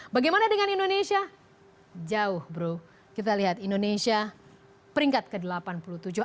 bagaimana dengan indonesia jauh bro kita lihat indonesia peringkat ke delapan puluh tujuh